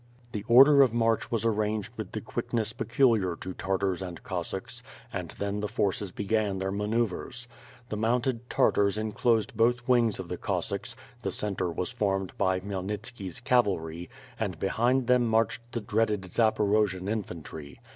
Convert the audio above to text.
The order of marc h was arranged with the quickness pecu liar to Tartars and Cossacks, and then the forces began their manoeuvres. The mounted Tartars enclosed both wings of the Cossacks, the center was formed by Khymelnitski's cav alry, and l)ehind them marched the dreaded Zaporojian in fantry.